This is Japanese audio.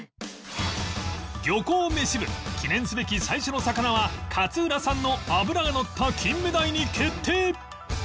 漁港めし部記念すべき最初の魚は勝浦産の脂がのったキンメダイに決定！